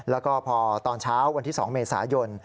แล้วก็พอตอนเช้าวันที่๒เมษายน